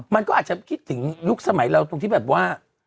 มันก็อาจจะคิดถึงยุคสมัยเราตรงที่แบบว่า